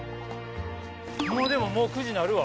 もうでももう９時なるわ。